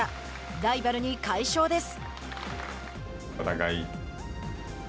ライバルに快勝です。